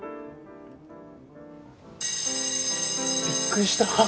びっくりした。